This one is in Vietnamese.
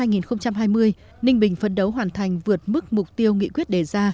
năm hai nghìn hai mươi ninh bình phấn đấu hoàn thành vượt mức mục tiêu nghị quyết đề ra